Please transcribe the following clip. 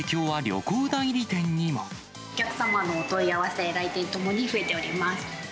お客様のお問い合わせ、来店ともに増えております。